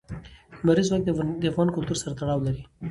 لمریز ځواک د افغان کلتور سره تړاو لري.